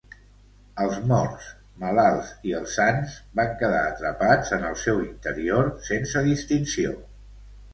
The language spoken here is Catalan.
Els morts, malalts i els sans van quedar atrapats en el seu interior sense distinció.